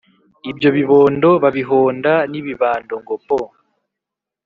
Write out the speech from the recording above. ibyo bibondo babihonda n’ibibando ngo po